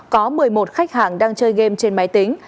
có một mươi một khách hàng đang chơi game trên máy tính